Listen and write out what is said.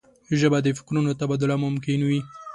ژبه د فکرونو تبادله ممکن کوي